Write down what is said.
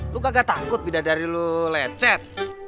lu kagak takut bidadari lu lecet